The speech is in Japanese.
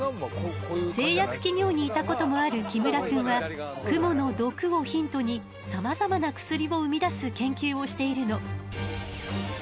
製薬企業にいたこともある木村くんはクモの毒をヒントにさまざまな薬を生み出す研究をしているの。